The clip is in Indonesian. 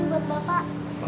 ini buat bapak